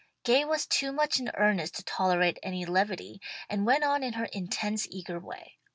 Gay was too much in earnest to tolerate any levity, and went on in her intense eager way.